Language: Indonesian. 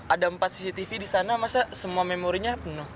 ada empat cctv di sana masa semua memorinya penuh